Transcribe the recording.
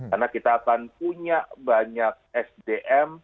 karena kita akan punya banyak sdm